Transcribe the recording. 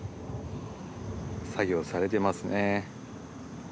作業されてますね。